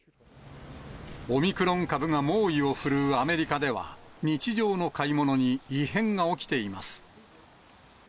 オミクロン株が猛威を振るうアメリカでは、日常の買い物に異変が起きています。